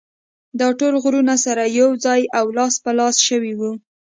دا ټول غږونه سره يو ځای او لاس په لاس شوي وو.